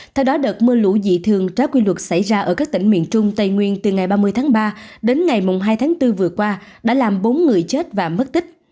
theo đó đợt mưa lũ dị thường trá quy luật xảy ra ở các tỉnh miền trung tây nguyên từ ngày ba mươi tháng ba đến ngày hai tháng bốn vừa qua đã làm bốn người chết và mất tích